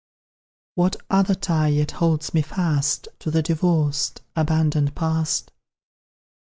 What other tie yet holds me fast To the divorced, abandoned past?